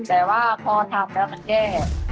แต่ว่าพอทำแล้วมันแย่